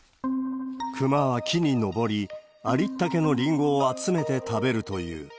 クマは木に登り、ありったけのリンゴを集めて食べるという。